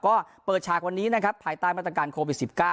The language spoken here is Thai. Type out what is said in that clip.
ก็เปิดฉากวันนี้นะครับภายใต้มาตรการโควิด๑๙